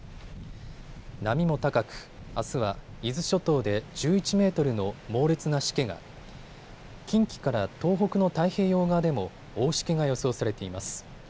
波も高く、あすは伊豆諸島で１１メートルの猛烈なしけが、近畿から東北の太平洋側でも大しけが予想されています。